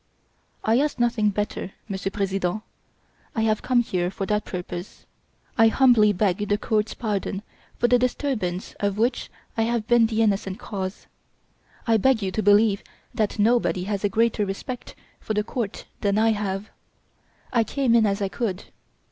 "I ask nothing better, Monsieur President. I have come here for that purpose. I humbly beg the court's pardon for the disturbance of which I have been the innocent cause. I beg you to believe that nobody has a greater respect for the court than I have. I came in as I could."